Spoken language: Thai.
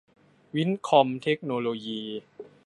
วินท์คอม เทคโนโลยี